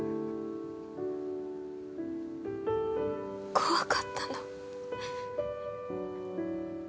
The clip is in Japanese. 怖かったの。